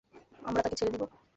আমরা তাকে ছেড়ে দিব?